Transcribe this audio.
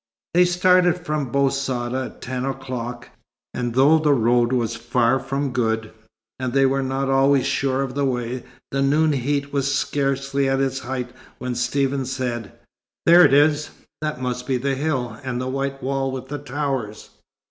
They started from Bou Saada at ten o'clock, and though the road was far from good, and they were not always sure of the way, the noon heat was scarcely at its height when Stephen said: "There it is! That must be the hill and the white wall with the towers."